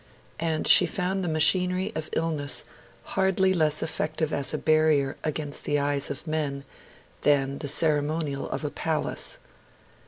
And she found the machinery of illness hardly less effective as a barrier against the eyes of men than the ceremonial of a palace.